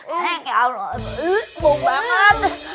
eh ya allah bau banget